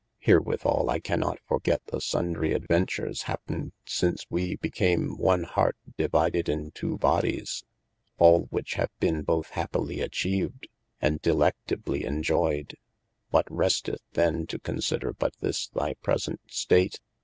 Herewithall I cannot forget the sundry adventures hapned since wee became one hart devided in two bodyes^ all which have ben both happily atchived, and delegable enjoyed. What resteth then to consider but this thy present stat ?